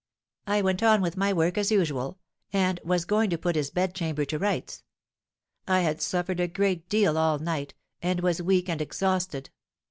I went on with my work as usual, and was going to put his bedchamber to rights. I had suffered a great deal all night, and was weak and exhausted.